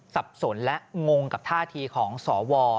สับสนและงงกับท่าทีของสว